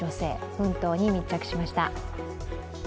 奮闘に密着しました。